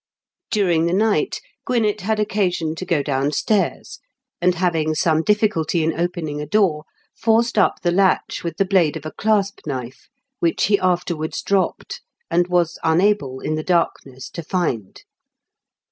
During the night, Gwinett had occasion to go down 216 IN KENT WITH CHABLE8 DICKENS. stairs, and having some difficulty in opening a door, forced up the latch with the blade of a clasp knife, which he afterwards dropped, and was unable, in the darkness, to find.